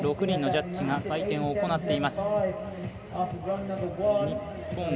６人のジャッジが採点を行っています。